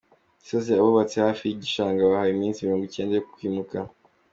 Gisozi Abubatse hafi y’igishanga bahawe iminsi mirongwicyenda yo kuhava